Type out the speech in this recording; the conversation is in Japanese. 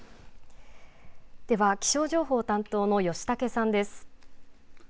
では気象情報担当の吉竹さんです。